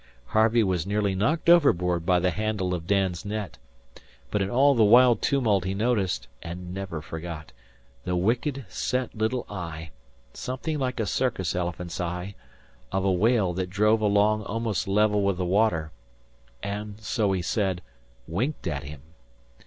Harvey was nearly knocked overboard by the handle of Dan's net. But in all the wild tumult he noticed, and never forgot, the wicked, set little eye something like a circus elephant's eye of a whale that drove along almost level with the water, and, so he said, winked at him.